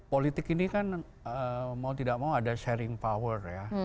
politik ini kan mau tidak mau ada sharing power ya